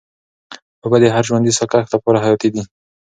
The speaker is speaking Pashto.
اوبه د هر ژوندي ساه کښ لپاره حیاتي دي.